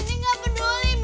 cindy gak peduli ma